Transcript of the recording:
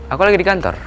aku lagi di kantor